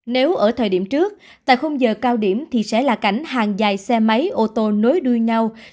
nếu ở thời điểm trước tại không giờ cao điểm thì sẽ là cảnh hàng dài xe máy ô tô nối đuôi nhau